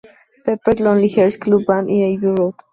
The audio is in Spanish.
Pepper's Lonely Hearts Club Band" y "Abbey Road".